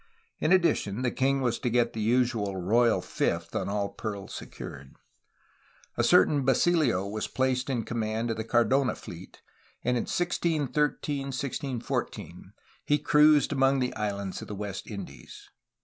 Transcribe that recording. In addition, the king was to get the usual royal fifth on all pearls secured. A certain Basilio was placed in command of the Cardona fleet, and in 1613 1614 he cruised among the islands of the West Indies.